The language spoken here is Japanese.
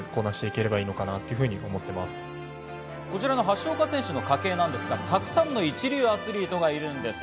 こちらの橋岡選手の家系ですが、たくさんの一流アスリートがいるんです。